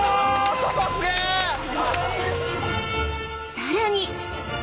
［さらに］